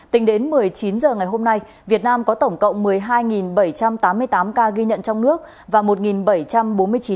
tính đến một mươi chín h ngày hôm nay việt nam có tổng cộng một mươi hai bảy trăm tám mươi tám ca ghi nhận trong nước và một bảy trăm bốn mươi chín ca